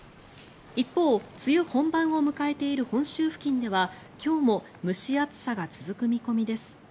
一方、梅雨本番を迎えている本州付近では今日も蒸し暑さが続く見込みです。